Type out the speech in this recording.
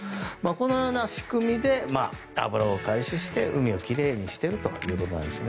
このような仕組みで油を回収して海を奇麗にしているということなんです。